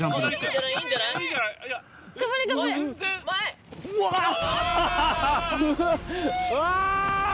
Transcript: ・うわ！